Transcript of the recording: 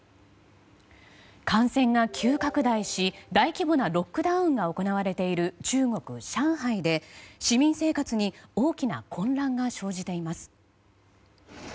感染が急拡大し、大規模なロックダウンが行われている中国・上海で市民生活に大きな混乱が生じています。